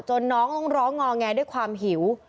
น้องต้องร้องงอแงด้วยความหิว